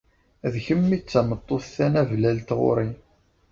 D kemm i d tameṭṭut tanablalt ɣur-i.